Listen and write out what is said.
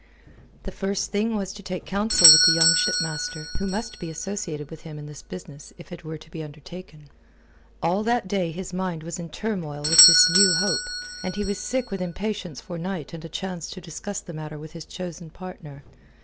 The first thing was to take counsel with the young shipmaster, who must be associated with him in this business if it were to be undertaken. All that day his mind was in turmoil with this new hope, and he was sick with impatience for night and a chance to discuss the matter with his chosen partner.